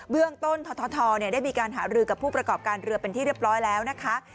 เรื่องต้นททได้มีการหารือกับผู้ประกอบการเรือเป็นที่เรียบร้อยแล้วนะคะ